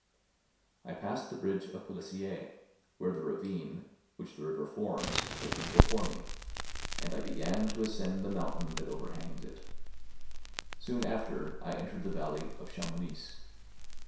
I passed the bridge of Pélissier, where the ravine, which the river forms, opened before me, and I began to ascend the mountain that overhangs it. Soon after, I entered the valley of Chamounix.